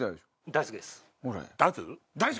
大好きです。